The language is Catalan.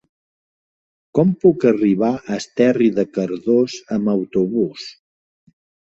Com puc arribar a Esterri de Cardós amb autobús?